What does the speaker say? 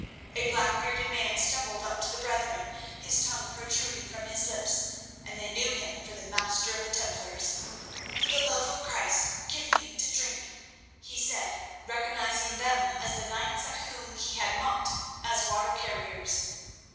A blackbearded man stumbled up to the brethren, his tongue protruding from his lips, and they knew him for the Master of the Templars. "For the love of Christ, give me to drink," he said, recognizing them as the knights at whom he had mocked as water carriers.